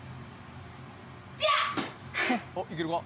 おっいけるか？